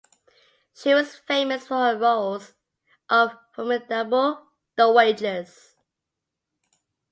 She was famous for her roles of formidable dowagers.